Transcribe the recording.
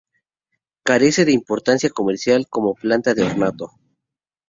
Carece de importancia comercial como planta de ornato.